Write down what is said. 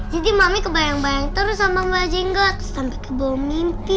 jadi mami kebayang bayang terus sama mbah jenggot sampai ke bawah mimpi